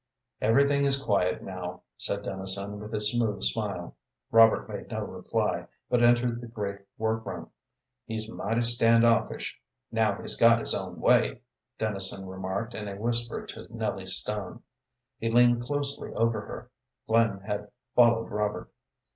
"Everything is quiet now," said Dennison, with his smooth smile. Robert made no reply, but entered the great work room. "He's mighty stand offish, now he's got his own way," Dennison remarked in a whisper to Nellie Stone. He leaned closely over her. Flynn had followed Robert.